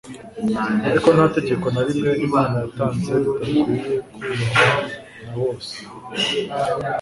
Ariko nta tegeko na rimwe Imana yatanze ridakwinye kubahwa na bose.